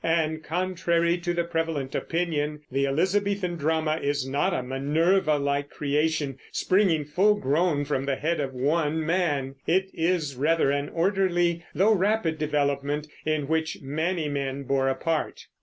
And, contrary to the prevalent opinion, the Elizabethan drama is not a Minerva like creation, springing full grown from the head of one man; it is rather an orderly though rapid development, in which many men bore a part.